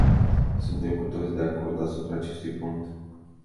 Suntem cu toții de acord asupra acestui punct.